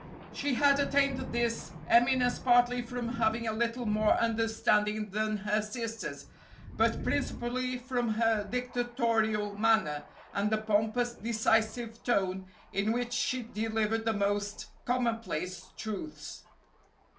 She had attained this eminence partly from having a little more understanding than her sisters, but principally from her dictatorial manner, and the pompous, decisive tone in which she delivered the most commonplace truths.